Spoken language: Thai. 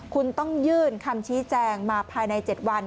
คุณต้องยื่นคำชี้แจงมาภายใน๗วัน